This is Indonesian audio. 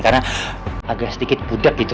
karena agak sedikit budak gitu